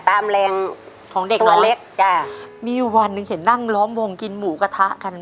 ตามแรงของเด็กตัวเล็กจ้ะมีอยู่วันหนึ่งเห็นนั่งล้อมวงกินหมูกระทะกัน